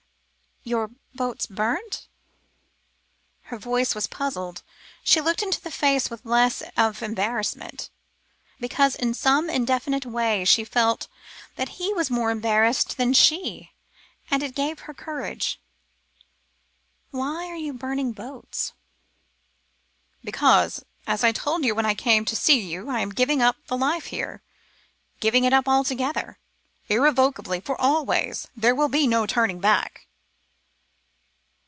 "Your boats burnt?" her voice was puzzled; she looked into his face with less of embarrassment, because in some indefinite way she felt that he was more embarrassed than she, and it gave her courage. "Why are you burning boats?" "Because, as I told you when I came to see you, I am giving up the life here, giving it up altogether, irrevocably, for always. There is to be no turning back."